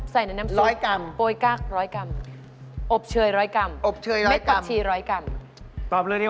ใส่ในน้ำซุปปล่อยกัก๑๐๐กรัมโปรดเชื้อ๑๐๐กรัมแม็กปัจฉี๑๐๐กรัมโปรดเชื้อ๑๐๐กรัม